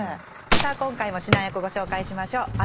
さあ今回も指南役ご紹介しましょう。